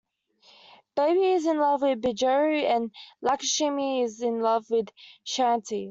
Baby is in love with Buliraju and Lakshmi is in love with Chanti.